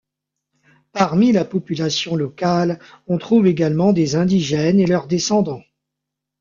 Parmi la population locale, on trouve également des indigènes et leurs descendants.